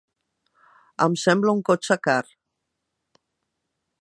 Em sembla un cotxe car.